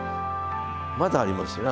まだありますよね